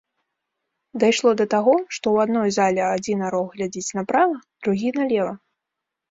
Дайшло да таго, што ў адной зале адзін арол глядзіць направа, другі налева!